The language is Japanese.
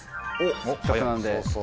せっかくなんで。